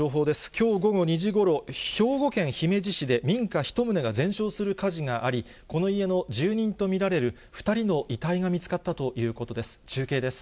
きょう午後２時ごろ、兵庫県姫路市で民家１棟が全焼する火事があり、この家の住人と見られる２人の遺体が見つかったということです。